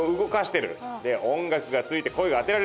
で音楽がついて声があてられる！